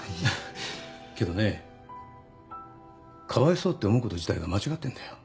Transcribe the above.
けどねかわいそうって思うこと自体が間違ってんだよ。